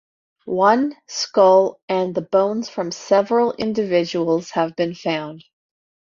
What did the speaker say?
One skull and the bones from several individuals have been found.